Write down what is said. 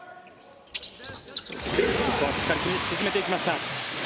ここはしっかり決めていきました。